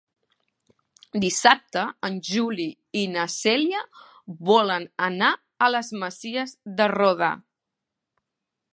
Dissabte en Juli i na Cèlia volen anar a les Masies de Roda.